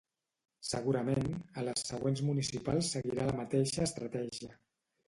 Segurament, a les següents municipals seguirà la mateixa estratègia.